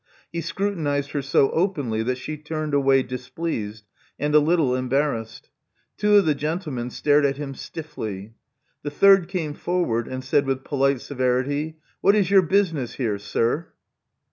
He scrutinized her so openly that she turned away displeased, and a little embarrassed. Two of the gentlemen stared at him stiffly. The third came forward, and said with polite severity, What is your business here, sir?"